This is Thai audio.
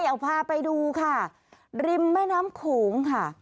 เอาพาไปดูค่ะริมแม่น้ำโขงค่ะ